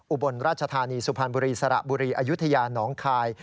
อุบลราชธานีสุพรรณบุรีสระบุรีอายุทยาหนองคาย